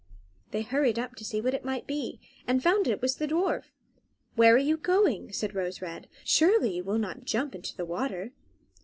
They hurried up to see what it might be, and found that it was the dwarf. "Where are you going?" said Rose Red. "Surely you will not jump into the water?"